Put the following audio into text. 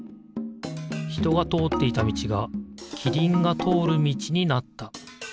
ひとがとおっていたみちがキリンがとおるみちになった。